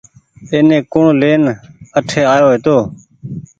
ايني ڪوڻ لين اٺي آيو هيتو۔